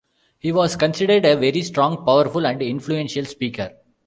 He was considered a very strong, powerful and influential Speaker.